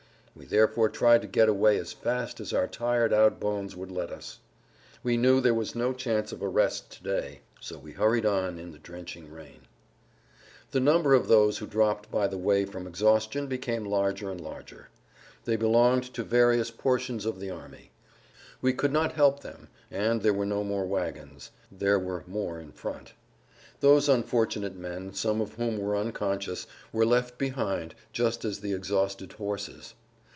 We therefore tried to get away as fast as our tired out bones would let us. We knew there was no chance of a rest to day. So we hurried on in the drenching rain. [Pg 117]The number of those who dropped by the way from exhaustion became larger and larger. They belonged to various portions of the army. We could not help them, and there were no more wagons; these were more in front. Those unfortunate men, some of whom were unconscious, were left behind just as the exhausted horses.